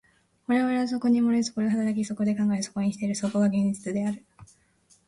我々はそこに生まれ、そこで働き、そこで考え、そこに死ぬる、そこが現実である。